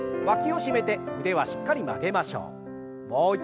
わきを締めて腕はしっかり曲げましょう。